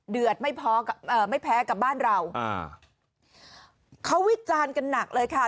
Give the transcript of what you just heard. ไม่พอกับเอ่อไม่แพ้กับบ้านเราอ่าเขาวิจารณ์กันหนักเลยค่ะ